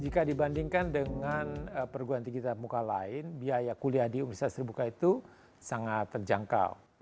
jika dibandingkan dengan perguruan tinggi tatap muka lain biaya kuliah di universitas seribuka itu sangat terjangkau